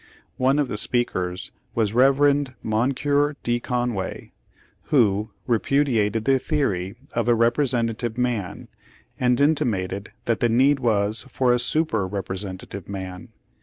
One of the speakers was Rev. Mon cure D. Conway, who repudiated the theory of a "representative man," and intimated that the need was for a super representative man.